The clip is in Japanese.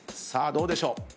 さあどうでしょう？